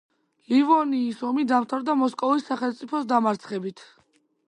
ლივონიის ომი დამთავრდა მოსკოვის სახელმწიფოს დამარცხებით.